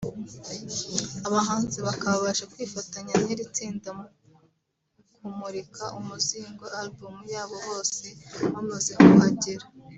Abahanzi bakaba baje kwifatanya n’iri tsinda mu kumurika umuzingo(Album) yabo bose bamaze kuhagera